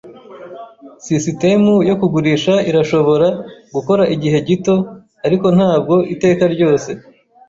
Sisitemu yo kugurisha irashobora gukora igihe gito, ariko ntabwo iteka ryose.